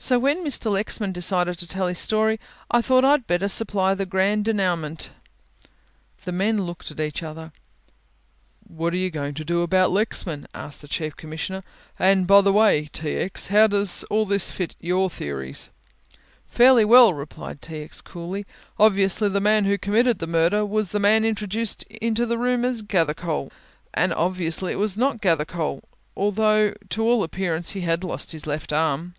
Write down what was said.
So when Mr. Lexman decided to tell his story, I thought I'd better supply the grand denouement." The men looked at one another. "What are you going to do about Lexman?" asked the Chief Commissioner, "and, by the way, T. X., how does all this fit your theories!" "Fairly well," replied T. X. coolly; "obviously the man who committed the murder was the man introduced into the room as Gathercole and as obviously it was not Gathercole, although to all appearance, he had lost his left arm."